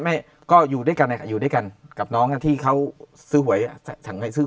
ไม่ก็อยู่ด้วยกันอยู่ด้วยกันกับน้องที่เขาซื้อหวยสั่งให้ซื้อ